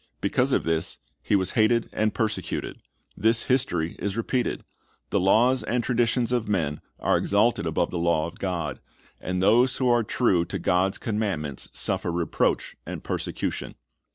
Because of this He was hated and persecuted. This history is repeated. The laws and traditions of men are exalted above the law of God, and those who are true to God's commandments suffer reproach and persecution.